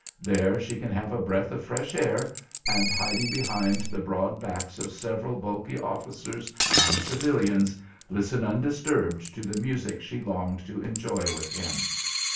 There she can have a breath of fresh air, and, hiding behind the broad backs of several bulky officers and civilians, listen undisturbed to the music she longed to enjoy with him.